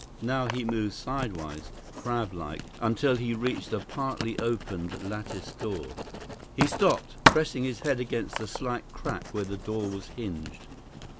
Now he moved sidewise, crab like, until he reached a partly opened latticed door. He stopped, pressing his head against the slight crack where the door was hinged.